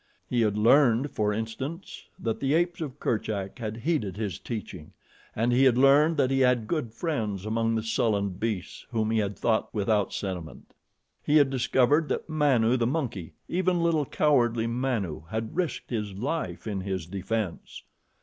He had learned, for instance, that the apes of Kerchak had heeded his teaching, and he had learned that he had good friends among the sullen beasts whom he had thought without sentiment. He had discovered that Manu, the monkey even little, cowardly Manu had risked his life in his defense.